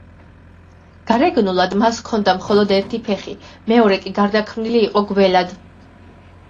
გარეგნულად მას ჰქონდა მხოლოდ ერთი ფეხი, მეორე კი გარდაქმნილი იყო გველად.